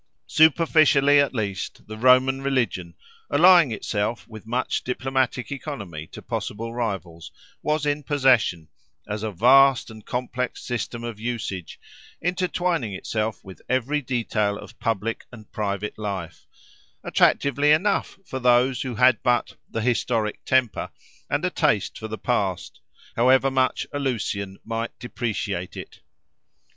Superficially, at least, the Roman religion, allying itself with much diplomatic economy to possible rivals, was in possession, as a vast and complex system of usage, intertwining itself with every detail of public and private life, attractively enough for those who had but "the historic temper," and a taste for the past, however much a Lucian might depreciate it.